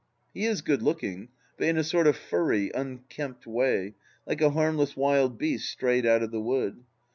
He is good looking, but in a sort of furry, unkempt way, like a harmless wild beast strayed out of the wood.